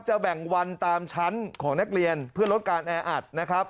แบ่งวันตามชั้นของนักเรียนเพื่อลดการแออัดนะครับ